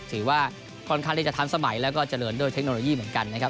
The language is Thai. ถือว่าค่อนข้างที่จะทันสมัยแล้วก็เจริญด้วยเทคโนโลยีเหมือนกันนะครับ